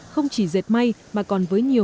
không chỉ dệt may mà còn với nhiều